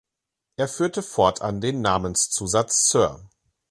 Er führte fortan den Namenszusatz „Sir“.